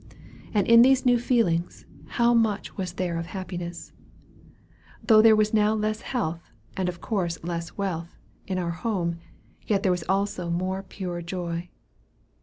And in these new feelings how much was there of happiness! Though there was now less health, and of course less wealth, in our home, yet there was also more pure joy.